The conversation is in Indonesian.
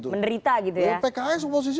menderita gitu ya pks oposisi